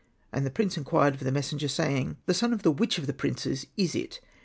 And the prince inquired of the messenger, saying, " The son of which of the princes is it